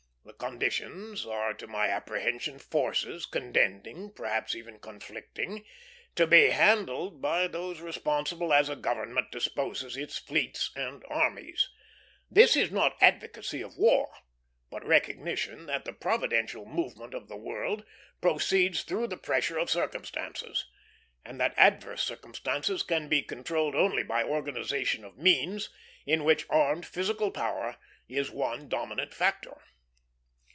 The conditions are to my apprehension forces, contending, perhaps even conflicting; to be handled by those responsible as a government disposes its fleets and armies. This is not advocacy of war, but recognition that the providential movement of the world proceeds through the pressure of circumstances; and that adverse circumstances can be controlled only by organization of means, in which armed physical power is one dominant factor.